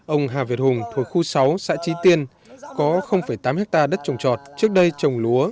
ông hà việt hùng thuộc khu sáu xã trí tiên có tám hectare đất trồng trọt trước đây trồng lúa